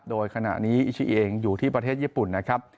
โดยขณะนี้อิชิเองอยู่ที่ประเทศญี่ปุ่นนะครับ